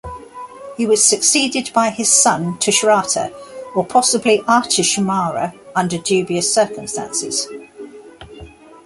He was succeeded by his son, Tushratta, or possibly Artashumara, under dubious circumstances.